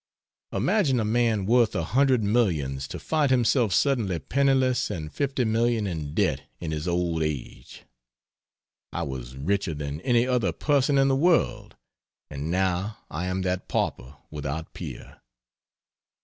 Imagine a man worth a hundred millions who finds himself suddenly penniless and fifty million in debt in his old age. I was richer than any other person in the world, and now I am that pauper without peer.